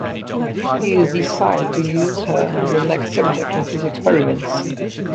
He has decided to use her as the next subject of his experiments.